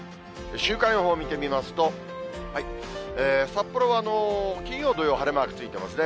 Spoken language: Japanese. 週間予報見てみますと、札幌は金曜、土曜、晴れマークついてますね。